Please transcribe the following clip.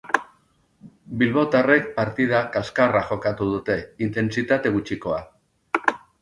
Bilbotarrek partida kaskarra jokatu dute, intentsitate gutxikoa.